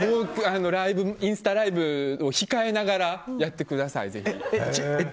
インスタライブを控えながらやってください、ぜひ。